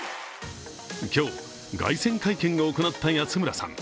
今日、凱旋会見を行った安村さん。